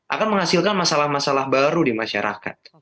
akan menghasilkan masalah masalah baru di masyarakat